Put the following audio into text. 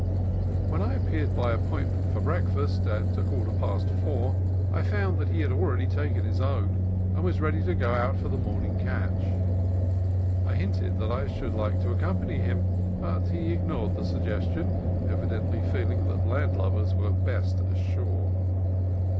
When I appeared by appointment for breakfast, at a quarter past four, I found that he had already taken his own, and was ready to go out for the morn ing catch. I hinted that I should like to accompany him, but he ignored the suggestion, evidently feeling that landlubbers were best ashore.